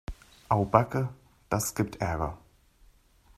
Au backe, das gibt Ärger.